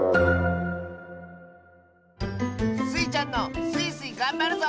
スイちゃんの「スイスイ！がんばるぞ」